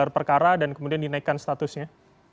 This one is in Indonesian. berperkara dan kemudian dinaikkan statusnya